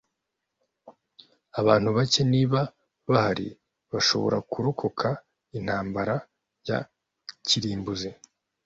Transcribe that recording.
Abantu bake, niba bahari, bashobora kurokoka intambara ya kirimbuzi.